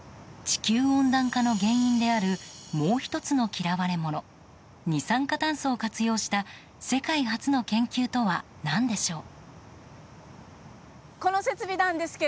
地球温暖化の原因であるもう１つの嫌われ者二酸化炭素を活用した世界初の研究とは何でしょう。